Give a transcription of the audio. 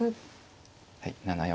はい７四